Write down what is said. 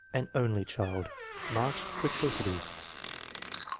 An "only " child. Marked precocity.